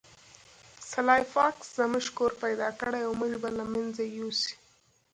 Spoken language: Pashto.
سلای فاکس زموږ کور پیدا کړی او موږ به له منځه یوسي